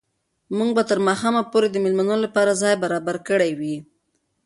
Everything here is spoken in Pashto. موږ به تر ماښامه پورې د مېلمنو لپاره ځای برابر کړی وي.